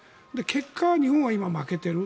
結果、日本は今負けている。